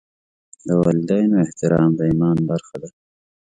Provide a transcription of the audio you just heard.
د والدینو احترام د ایمان برخه ده.